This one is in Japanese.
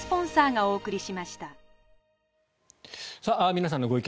皆さんのご意見